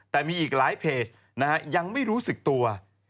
แต่มีอีกหลายเพจยังไม่รู้สึกตัว